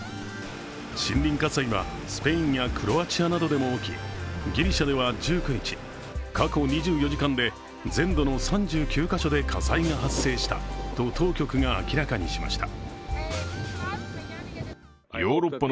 森林火災はスペインやクロアチアなどでも起きギリシャでは１９日、過去２４時間で全土の３９カ所で火災が発生したと当局が明らかにしました。